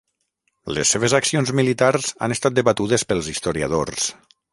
Les seves accions militars han estat debatudes pels historiadors.